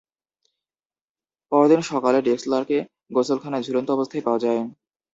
পরদিন সকালে ড্রেক্সলারকে গোসলখানায় ঝুলন্ত অবস্থায় পাওয়া যায়।